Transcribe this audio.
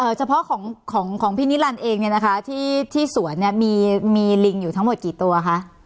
เฉพาะของของพี่นิรันดิ์เองเนี่ยนะคะที่ที่สวนเนี้ยมีมีลิงอยู่ทั้งหมดกี่ตัวคะ